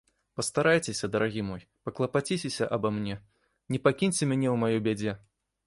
Пастарайцеся, дарагі мой, паклапаціцеся аба мне, не пакіньце мяне ў маёй бядзе.